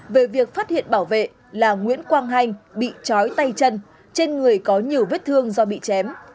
về việc phát hiện bảo vệ là nguyễn quang hanh bị chói tay chân trên người có nhiều vết thương do bị chém